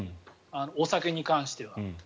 お酒に関しては。